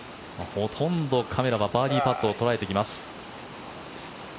ほとんどカメラはバーディーパットを捉えてきます。